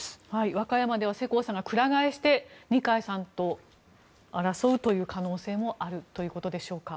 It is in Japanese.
和歌山では世耕さんがくら替えして二階さんと争うという可能性もあるということでしょうか。